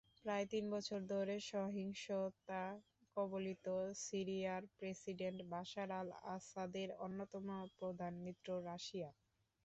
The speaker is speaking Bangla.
প্রায় তিন বছর ধরে সহিংসতাকবলিত সিরিয়ার প্রেসিডেন্ট বাশার আল-আসাদের অন্যতম প্রধান মিত্র রাশিয়া।